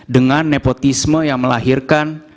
dengan nepotisme yang melahirkan